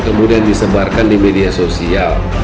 kemudian disebarkan di media sosial